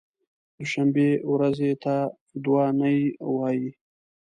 دوشنبې ورځې ته دو نۍ وایی